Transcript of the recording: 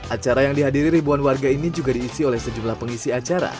acara yang dihadiri ribuan warga ini juga diisi oleh sejumlah pengisi acara